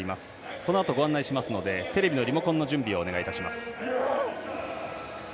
このあとご案内しますのでテレビのリモコンの準備をお願いします。